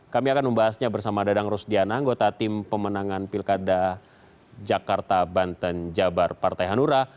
kami akan membahasnya bersama dadang rusdian anggota tim pemenangan pilkada jakarta banten jabar partai hanura